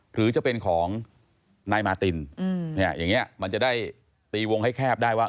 หรือจะเป็นของนายมาตินเนี่ยอย่างนี้มันจะได้ตีวงให้แคบได้ว่า